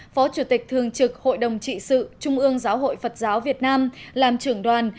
phó chủ tịch thường trực hội đồng trị sự trung ương giáo hội phật giáo việt nam làm trưởng đoàn